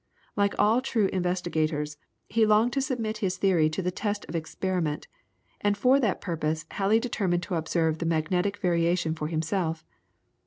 Like all true investigators, he longed to submit his theory to the test of experiment, and for that purpose Halley determined to observe the magnetic variation for himself.